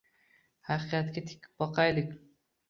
Haqiqatga tik boqaylik.